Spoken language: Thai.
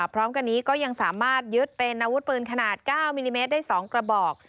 พร้อมกันนี้ก็ยังสามารถยึดเป็นอาวุธปืนขนาด๙มิลลิเมตรได้๒กระบอก